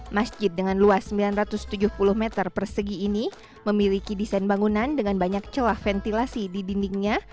masjid dengan luas sembilan ratus tujuh puluh meter persegi ini memiliki desain bangunan dengan banyak celah ventilasi di dindingnya